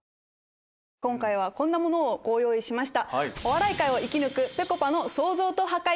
今回はこんなものをご用意しました。